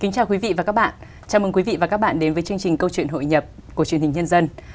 chào mừng quý vị và các bạn đến với chương trình câu chuyện hội nhập của truyền hình nhân dân